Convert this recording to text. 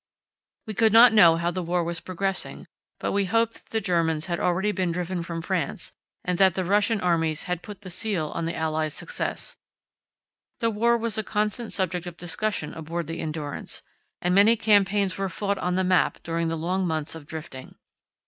We could not know how the war was progressing, but we hoped that the Germans had already been driven from France and that the Russian armies had put the seal on the Allies' success. The war was a constant subject of discussion aboard the Endurance, and many campaigns were fought on the map during the long months of drifting.